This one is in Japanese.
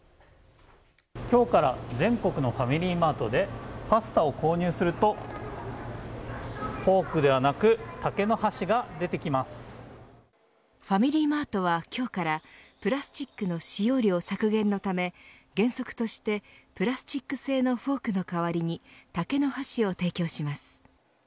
今日から全国のファミリーマートでパスタを購入するとフォークではなくファミリーマートは今日からプラスチックの使用量削減のため原則としてプラスチック製のフォークの代わりに竹の箸を提供します。